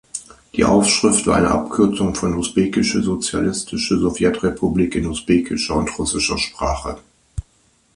Die Aufschrift war eine Abkürzung von "Usbekische Sozialistische Sowjetrepublik" in usbekischer und russischer Sprache.